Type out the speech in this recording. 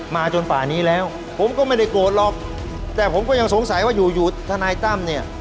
จนป่านี้แล้วผมก็ไม่ได้โกรธหรอกแต่ผมก็ยังสงสัยว่าอยู่อยู่ทนายตั้มเนี่ย